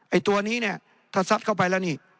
ไอ้ตัวนี้เนี่ยถ้าซัดเข้าไปแล้วนี่